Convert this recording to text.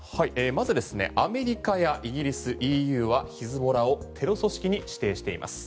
アメリカやイギリスＥＵはヒズボラをテロ組織に指定しています。